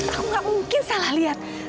aku gak mungkin salah lihat